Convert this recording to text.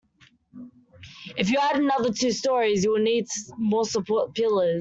If you add another two storeys, you'll need more support pillars.